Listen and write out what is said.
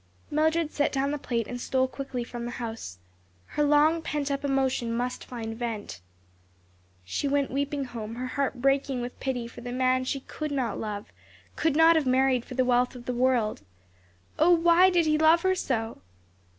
Mildred set down the plate and stole quickly from the house. Her long pent up emotion must find vent. She went weeping home, her heart breaking with pity for the man she could not love, could not have married for the wealth of the world. Oh, why did he love her so?